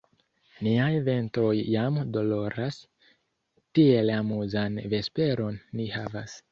Niaj ventroj jam doloras; tiel amuzan vesperon ni havas!